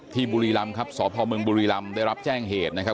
บุรีรำครับสพเมืองบุรีรำได้รับแจ้งเหตุนะครับ